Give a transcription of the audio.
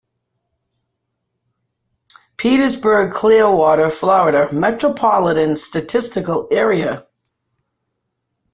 Petersburg-Clearwater, Florida Metropolitan Statistical Area.